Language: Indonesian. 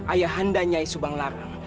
ayahanda nyai subang larang